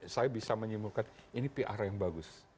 saya bisa menyimpulkan ini pr yang bagus